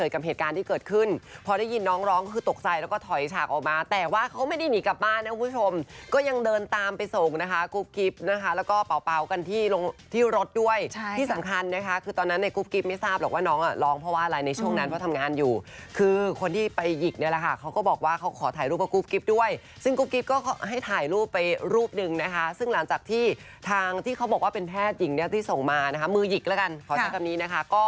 พันทำสี่พันทำสี่พันทำสี่พันทำสี่พันทำสี่พันทำสี่พันทำสี่พันทำสี่พันทำสี่พันทำสี่พันทำสี่พันทำสี่พันทำสี่พันทำสี่พันทำสี่พันทำสี่พันทำสี่พันทำสี่พันทำสี่พันทำสี่พันทำสี่พันทำสี่พ